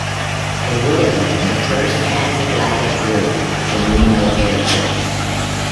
It would have been the first transatlantic route from Reno Airport.